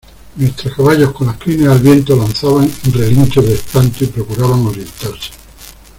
nuestros caballos con las crines al viento, lanzaban relinchos de espanto y procuraban orientarse